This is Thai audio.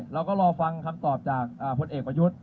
เราก็รอฟังคำตอบจากพลเอกประยุทธ์